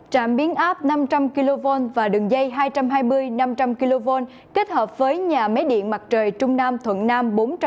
trạm biến áp năm trăm linh kv và đường dây hai trăm hai mươi kv kết hợp với nhà máy điện mặt trời trung nam thuận nam